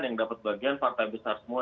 yang dapat bagian partai besar semua